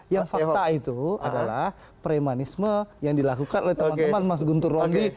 yang fakta itu adalah premanisme yang dilakukan oleh teman teman mas guntur rondi